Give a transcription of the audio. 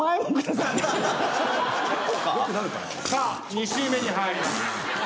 ２周目に入ります。